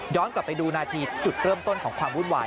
กลับไปดูนาทีจุดเริ่มต้นของความวุ่นวาย